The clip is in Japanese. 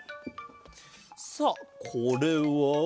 さあこれは。